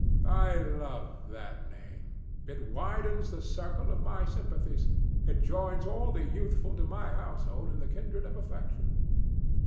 I love that name: it widens the circle of my sympathies; it joins all the youthful to my household in the kindred of affection.